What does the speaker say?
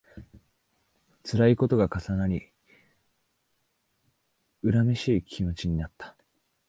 つらいことが重なり、恨めしい気持ちになった